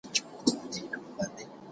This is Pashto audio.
بس یو تروم یې وو په غاړه ځړولی